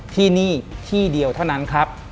ที่นี่ที่เดียวเท่านั้นครับ